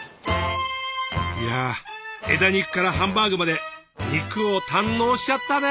いや枝肉からハンバーグまで肉を堪能しちゃったね！